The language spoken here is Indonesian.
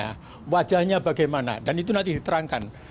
nah wajahnya bagaimana dan itu nanti diterangkan